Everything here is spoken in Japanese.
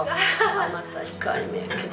甘さ控えめやけど。